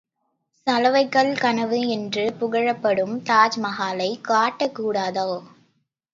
சலவைக்கல் கனவு என்று புகழப்படும் தாஜ்மகாலைக் காட்டக் கூடாதோ?